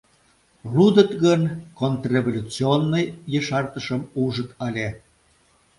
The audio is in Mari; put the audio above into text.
Лудыт гын, «контрреволюционный» ешартышым ужыт ыле.